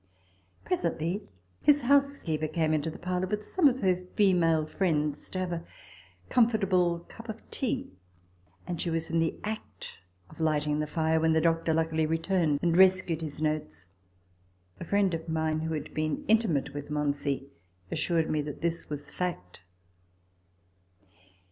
Presently, his housekeeper came into the parlour, with some 166 RECOLLECTIONS OF THE of her female friends, to have a comfortable cup of tea ; and she was in the act of lighting the fire when the doctor luckily returned, and rescued his notes. A friend of mine, who had been intimate with Monsey, assured me that this was fact.